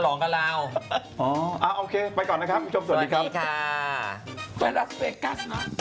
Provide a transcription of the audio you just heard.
โอเคไปก่อนนะครับสวัสดีค่ะ